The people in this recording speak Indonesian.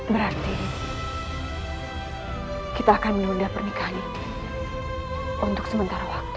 berarti kita akan menunda pernikahan ini untuk sementara waktu